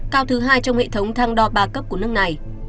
cao thứ hai trong hệ thống thang đo ba cấp của nước này